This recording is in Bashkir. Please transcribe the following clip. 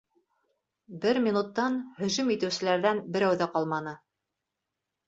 Бер минуттан һөжүм итеүселәрҙән берәү ҙә ҡалманы.